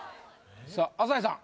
さあ朝日さん